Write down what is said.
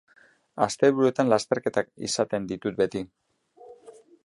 Asteburuetan lasterketak izaten ditut beti.